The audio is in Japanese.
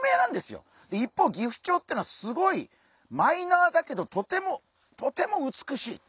一方ギフチョウっていうのはすごいマイナーだけどとてもとても美しい。